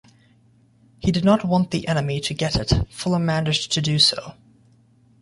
He did not want the enemy to get it, Fuller managed to do so.